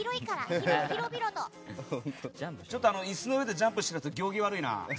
ちょっと椅子の上でジャンプしているやつ行儀悪いな。